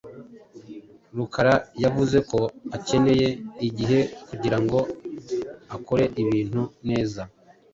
Rukara yavuze ko akeneye igihe kugirango akore ibintu neza.